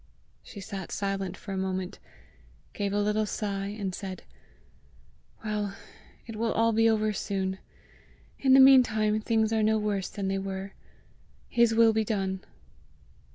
She sat silent for a moment, gave a little sigh, and said, "Well, it will all be over soon! In the meantime things are no worse than they were! His will be done!"